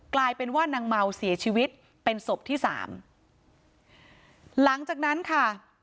กลายเป็นว่านางเมาเสียชีวิตเป็นศพที่สามหลังจากนั้นค่ะ